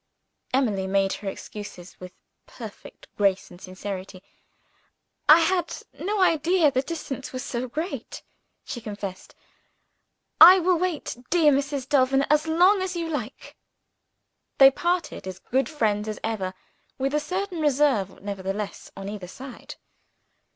Emily made her excuses with perfect grace and sincerity. "I had no idea the distance was so great," she confessed. "I will wait, dear Mrs. Delvin, as long as you like." They parted as good friends as ever with a certain reserve, nevertheless, on either side.